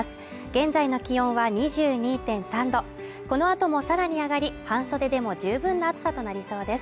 現在の気温は２２．３度この後もさらに上がり、半袖でも十分な暑さとなりそうです。